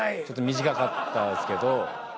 ちょっと短かったですけど。